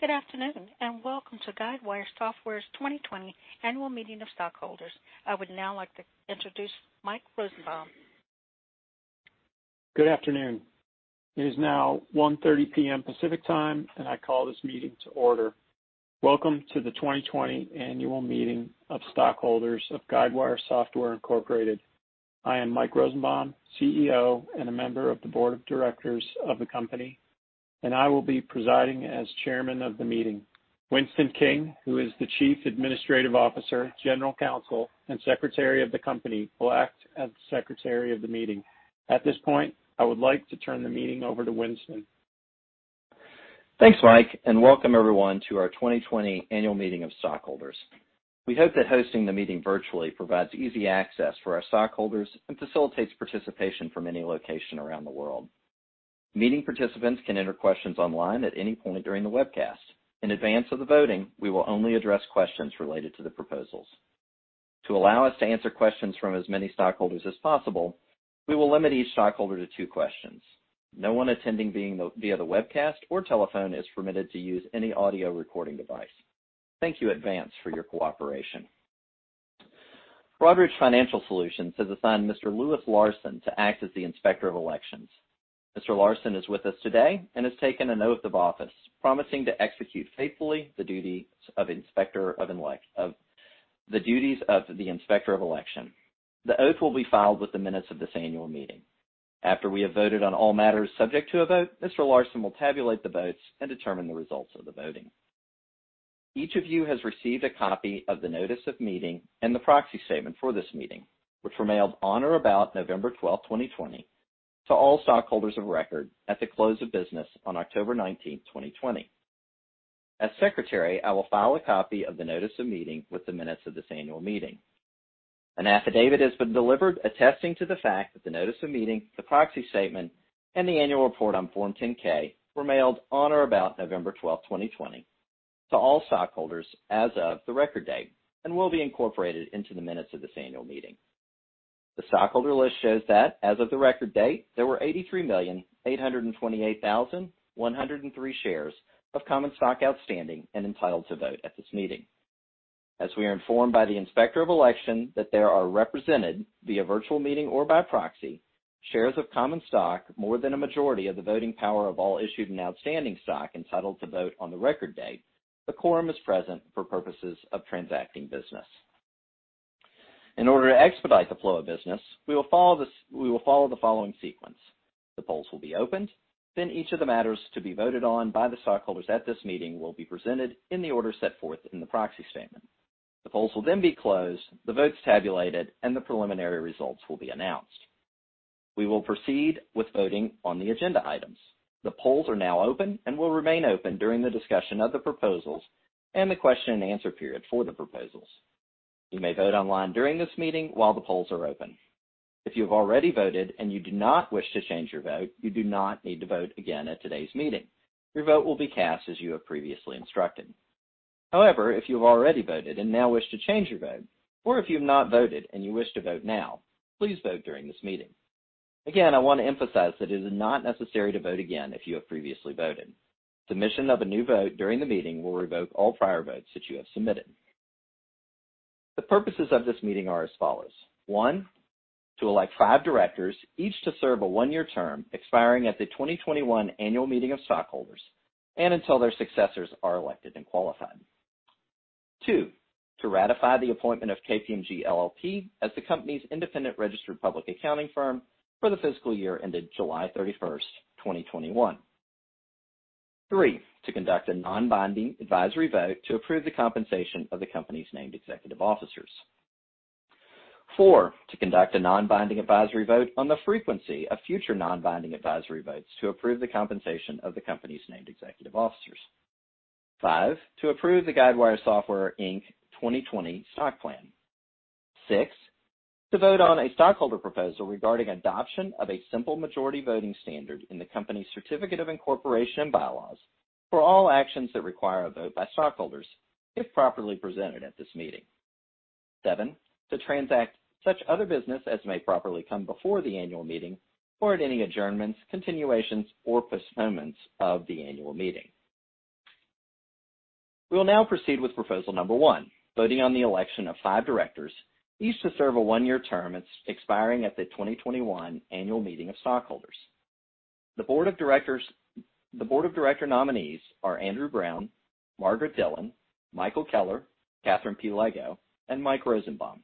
Good afternoon, welcome to Guidewire Software's 2020 Annual Meeting of Stockholders. I would now like to introduce Mike Rosenbaum. Good afternoon. It is now 1:30 P.M. Pacific Time. I call this meeting to order. Welcome to the 2020 Annual Meeting of Stockholders of Guidewire Software, Inc.. I am Mike Rosenbaum, CEO and a member of the Board of Directors of the company. I will be presiding as Chairman of the meeting. Winston King, who is the Chief Administrative Officer, General Counsel, and Secretary of the company, will act as Secretary of the meeting. At this point, I would like to turn the meeting over to Winston. Thanks, Mike, and welcome everyone to our 2020 Annual Meeting of Stockholders. We hope that hosting the meeting virtually provides easy access for our stockholders and facilitates participation from any location around the world. Meeting participants can enter questions online at any point during the webcast. In advance of the voting, we will only address questions related to the proposals. To allow us to answer questions from as many stockholders as possible, we will limit each stockholder to two questions. No one attending via the webcast or telephone is permitted to use any audio recording device. Thank you in advance for your cooperation. Broadridge Financial Solutions has assigned Mr. Lewis Larson to act as the Inspector of Elections. Mr. Larson is with us today and has taken an oath of office, promising to execute faithfully the duties of the Inspector of Election. The oath will be filed with the minutes of this annual meeting. After we have voted on all matters subject to a vote, Mr. Larson will tabulate the votes and determine the results of the voting. Each of you has received a copy of the notice of meeting and the proxy statement for this meeting, which were mailed on or about November 12th, 2020, to all stockholders of record at the close of business on October 19th, 2020. As Secretary, I will file a copy of the notice of meeting with the minutes of this annual meeting. An affidavit has been delivered attesting to the fact that the notice of meeting, the proxy statement, and the annual report on Form 10-K were mailed on or about November 12th, 2020 to all stockholders as of the record date and will be incorporated into the minutes of this annual meeting. The stockholder list shows that as of the record date, there were 83,828,103 shares of common stock outstanding and entitled to vote at this meeting. As we are informed by the Inspector of Elections that there are represented, via virtual meeting or by proxy, shares of common stock, more than a majority of the voting power of all issued and outstanding stock entitled to vote on the record date, the quorum is present for purposes of transacting business. In order to expedite the flow of business, we will follow the following sequence. The polls will be opened. Each of the matters to be voted on by the stockholders at this meeting will be presented in the order set forth in the proxy statement. The polls will then be closed, the votes tabulated, and the preliminary results will be announced. We will proceed with voting on the agenda items. The polls are now open and will remain open during the discussion of the proposals and the question and answer period for the proposals. You may vote online during this meeting while the polls are open. If you have already voted and you do not wish to change your vote, you do not need to vote again at today's meeting. Your vote will be cast as you have previously instructed. However, if you have already voted and now wish to change your vote, or if you have not voted and you wish to vote now, please vote during this meeting. Again, I want to emphasize that it is not necessary to vote again if you have previously voted. Submission of a new vote during the meeting will revoke all prior votes that you have submitted. The purposes of this meeting are as follows. One, to elect five directors, each to serve a one-year term expiring at the 2021 Annual Meeting of Stockholders and until their successors are elected and qualified. Two, to ratify the appointment of KPMG LLP as the company's independent registered public accounting firm for the fiscal year ended July 31st, 2021. Three, to conduct a non-binding advisory vote to approve the compensation of the company's named executive officers. Four, to conduct a non-binding advisory vote on the frequency of future non-binding advisory votes to approve the compensation of the company's named executive officers. Five, to approve the Guidewire Software, Inc. 2020 stock plan. Six, to vote on a stockholder proposal regarding adoption of a simple majority voting standard in the company's certificate of incorporation bylaws for all actions that require a vote by stockholders if properly presented at this meeting. seven, to transact such other business as may properly come before the annual meeting or at any adjournments, continuations, or postponements of the annual meeting. We will now proceed with proposal number one, voting on the election of five directors, each to serve a one-year term expiring at the 2021 Annual Meeting of Stockholders. The board of director nominees are Andrew Brown, Margaret Dillon, Michael Keller, Catherine P. Lego, and Mike Rosenbaum.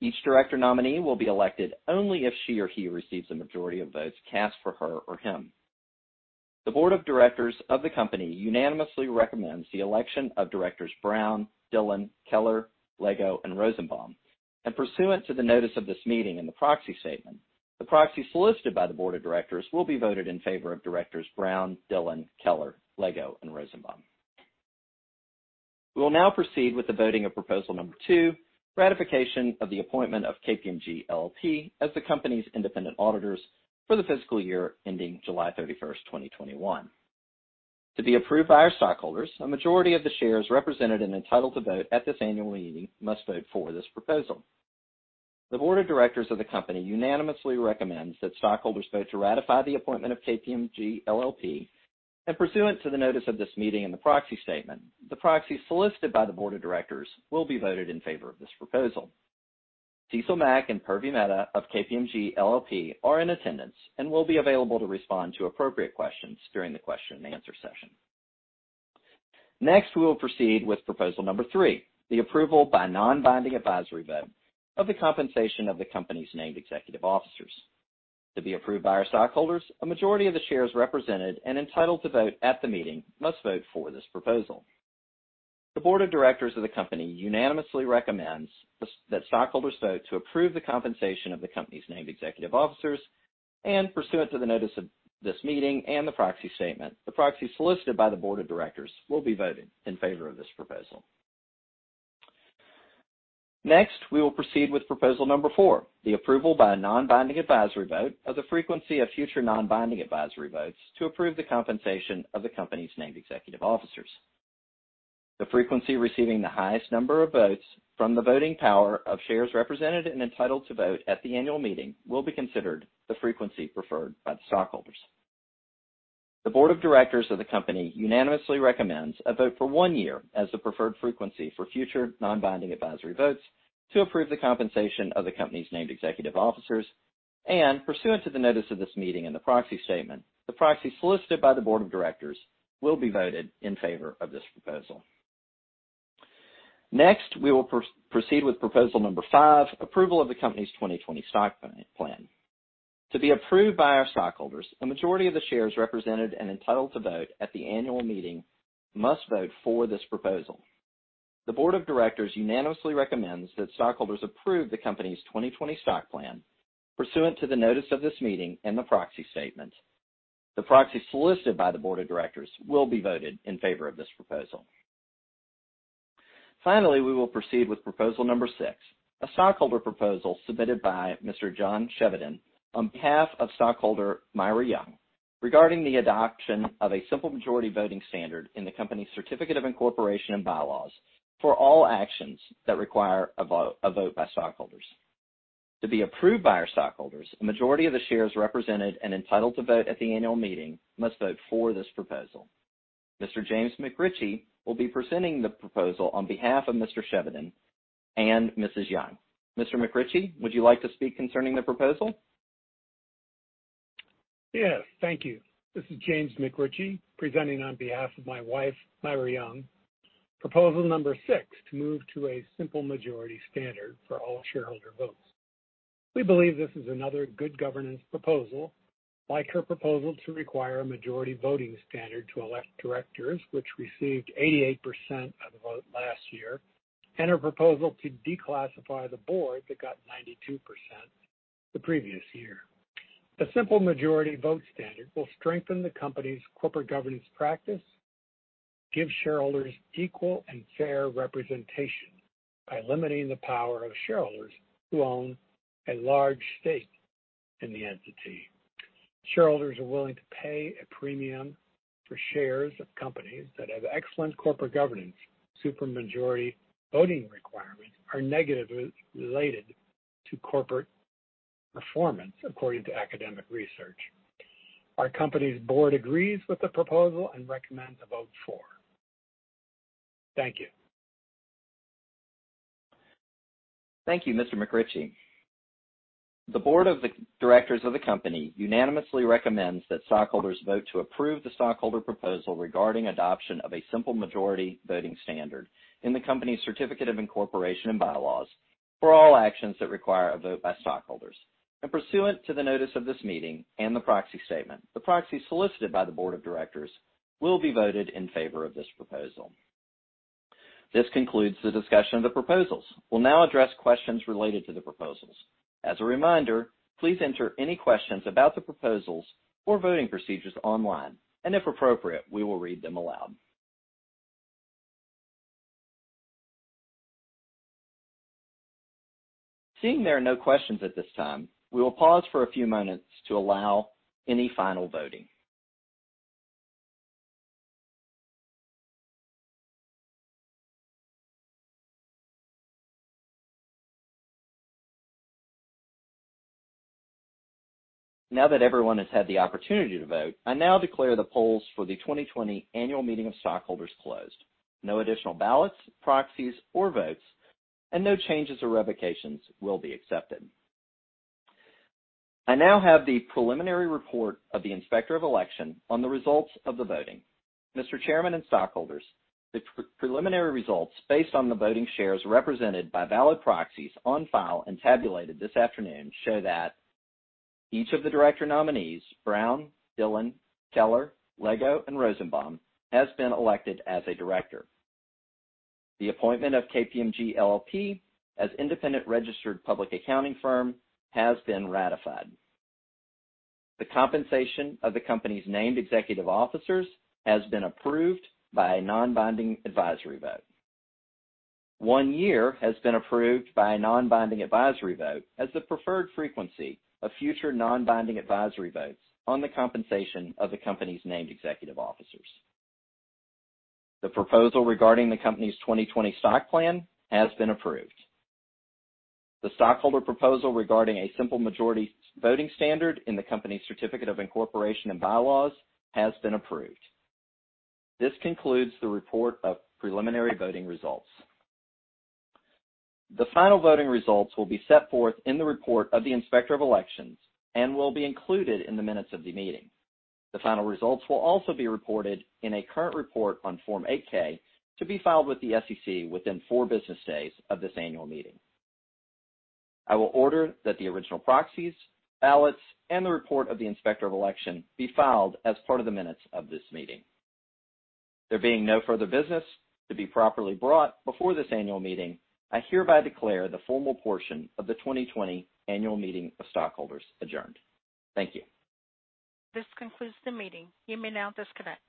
Each director nominee will be elected only if she or he receives a majority of votes cast for her or him. The Board of Directors of the company unanimously recommends the election of Directors Brown, Dillon, Keller, Lego, and Rosenbaum. Pursuant to the notice of this meeting in the proxy statement, the proxies solicited by the Board of Directors will be voted in favor of Directors Brown, Dillon, Keller, Lego, and Rosenbaum. We will now proceed with the voting of proposal number two, ratification of the appointment of KPMG LLP as the company's independent auditors for the fiscal year ending July 31st, 2021. To be approved by our stockholders, a majority of the shares represented and entitled to vote at this annual meeting must vote for this proposal. The board of directors of the company unanimously recommends that stockholders vote to ratify the appointment of KPMG LLP, and pursuant to the notice of this meeting in the proxy statement, the proxies solicited by the board of directors will be voted in favor of this proposal. Cecil Mack and Purvi Mehta of KPMG LLP are in attendance and will be available to respond to appropriate questions during the question and answer session. Next, we will proceed with proposal number three, the approval by a non-binding advisory vote of the compensation of the company's named executive officers. To be approved by our stockholders, a majority of the shares represented and entitled to vote at the meeting must vote for this proposal. The board of directors of the company unanimously recommends that stockholders vote to approve the compensation of the company's named executive officers, and pursuant to the notice of this meeting and the proxy statement, the proxies solicited by the board of directors will be voted in favor of this proposal. Next, we will proceed with proposal number four, the approval by a non-binding advisory vote of the frequency of future non-binding advisory votes to approve the compensation of the company's named executive officers. The frequency receiving the highest number of votes from the voting power of shares represented and entitled to vote at the annual meeting will be considered the frequency preferred by the stockholders. The board of directors of the company unanimously recommends a vote for one year as the preferred frequency for future non-binding advisory votes to approve the compensation of the company's named executive officers, and pursuant to the notice of this meeting in the proxy statement, the proxies solicited by the board of directors will be voted in favor of this proposal. Next, we will proceed with proposal number five, approval of the company's 2020 stock plan. To be approved by our stockholders, a majority of the shares represented and entitled to vote at the annual meeting must vote for this proposal. The board of directors unanimously recommends that stockholders approve the company's 2020 stock plan pursuant to the notice of this meeting and the proxy statement. The proxies solicited by the board of directors will be voted in favor of this proposal. Finally, we will proceed with proposal number six, a stockholder proposal submitted by Mr. John Chevedden on behalf of stockholder Myra Young regarding the adoption of a simple majority voting standard in the company's certificate of incorporation and bylaws for all actions that require a vote by stockholders. To be approved by our stockholders, a majority of the shares represented and entitled to vote at the annual meeting must vote for this proposal. Mr. James McRitchie will be presenting the proposal on behalf of Mr. Chevedden and Mrs. Young. Mr. McRitchie, would you like to speak concerning the proposal? Yes. Thank you. This is James McRitchie, presenting on behalf of my wife, Myra Young, proposal number six to move to a simple majority standard for all shareholder votes. We believe this is another good governance proposal, like her proposal to require a majority voting standard to elect directors, which received 88% of the vote last year, and her proposal to declassify the board that got 92% the previous year. The simple majority vote standard will strengthen the company's corporate governance practice, give shareholders equal and fair representation by limiting the power of shareholders who own a large stake in the entity. Shareholders are willing to pay a premium for shares of companies that have excellent corporate governance. Super majority voting requirements are negatively related to corporate performance, according to academic research. Our company's board agrees with the proposal and recommends a vote for. Thank you. Thank you, Mr. McRitchie. The board of the directors of the company unanimously recommends that stockholders vote to approve the stockholder proposal regarding adoption of a simple majority voting standard in the company's certificate of incorporation and bylaws for all actions that require a vote by stockholders. Pursuant to the notice of this meeting and the proxy statement, the proxies solicited by the board of directors will be voted in favor of this proposal. This concludes the discussion of the proposals. We'll now address questions related to the proposals. As a reminder, please enter any questions about the proposals or voting procedures online, and if appropriate, we will read them aloud. Seeing there are no questions at this time, we will pause for a few moments to allow any final voting. Now that everyone has had the opportunity to vote, I now declare the polls for the 2020 annual meeting of stockholders closed. No additional ballots, proxies or votes, and no changes or revocations will be accepted. I now have the preliminary report of the inspector of election on the results of the voting. Mr. Chairman and stockholders, the preliminary results based on the voting shares represented by valid proxies on file and tabulated this afternoon show that each of the director nominees, Brown, Dillon, Keller, Lego, and Rosenbaum, has been elected as a director. The appointment of KPMG LLP as independent registered public accounting firm has been ratified. The compensation of the company's named executive officers has been approved by a non-binding advisory vote. One year has been approved by a non-binding advisory vote as the preferred frequency of future non-binding advisory votes on the compensation of the company's named executive officers. The proposal regarding the company's 2020 stock plan has been approved. The stockholder proposal regarding a simple majority voting standard in the company's certificate of incorporation and bylaws has been approved. This concludes the report of preliminary voting results. The final voting results will be set forth in the report of the inspector of elections and will be included in the minutes of the meeting. The final results will also be reported in a current report on Form 8-K to be filed with the SEC within four business days of this annual meeting. I will order that the original proxies, ballots, and the report of the inspector of election be filed as part of the minutes of this meeting. There being no further business to be properly brought before this annual meeting, I hereby declare the formal portion of the 2020 annual meeting of stockholders adjourned. Thank you. This concludes the meeting. You may now disconnect.